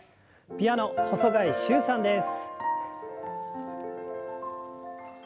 ピアノ細貝柊さんです。